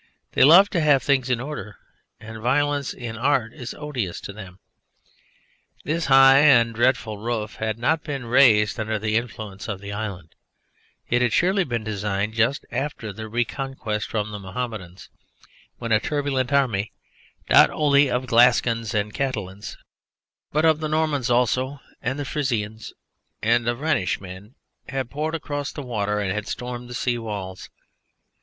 They love to have things in order, and violence in art is odious to them. This high and dreadful roof had not been raised under the influences of the island; it had surely been designed just after the re conquest from the Mohammedans, when a turbulent army, not only of Gascons and Catalans, but of Normans also and of Frisians, and of Rhenish men, had poured across the water and had stormed the sea walls.